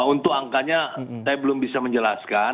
untuk angkanya saya belum bisa menjelaskan